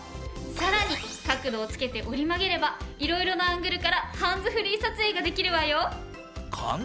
さらに角度をつけて折り曲げれば色々なアングルからハンズフリー撮影ができるわよ。